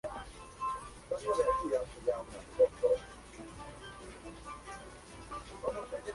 Estos fueron ofrecidos con un manual de seis velocidades o automático de seis velocidades.